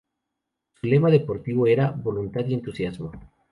Su lema deportivo era "Voluntad y Entusiasmo".